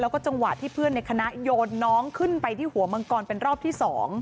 แล้วก็จังหวะที่เพื่อนในคณะโยนน้องขึ้นไปที่หัวมังกรเป็นรอบที่๒